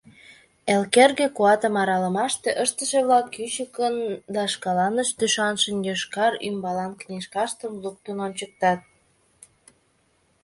Элкӧргӧ куатым аралымаште ыштыше-влак кӱчыкын да шкаланышт ӱшанышын йошкар ӱмбалан книжкаштым луктын ончыктат.